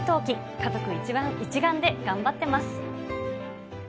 家族一丸で頑張ってます。